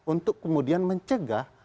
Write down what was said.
untuk kemudian mencegah